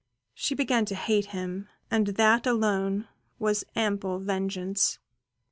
She began to hate him, and that alone was ample vengeance.